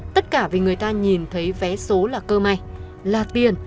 tất cả vì người ta nhìn thấy vé số là cơ may là tiền